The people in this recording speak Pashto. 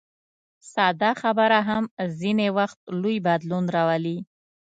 ساده خبره هم ځینې وخت لوی بدلون راولي.